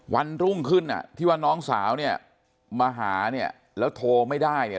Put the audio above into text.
วันรุ่งขึ้นอ่ะที่ว่าน้องสาวเนี่ยมาหาเนี่ยแล้วโทรไม่ได้เนี่ย